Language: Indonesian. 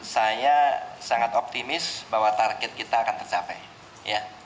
saya sangat optimis bahwa target kita akan tercapai ya